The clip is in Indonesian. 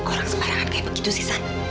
ke orang sebarangan kayak begitu sih san